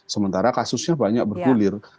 sementara kasusnya banyak bergulir